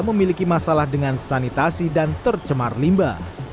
memiliki masalah dengan sanitasi dan tercemar limba